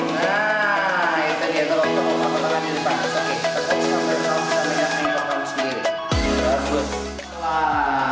nah itu dia tolong tolong